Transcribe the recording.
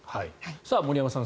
森山さん